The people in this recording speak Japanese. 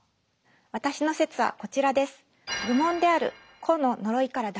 私の説はこちらです。